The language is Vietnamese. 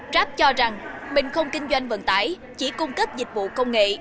grab cho rằng mình không kinh doanh vận tải chỉ cung cấp dịch vụ công nghệ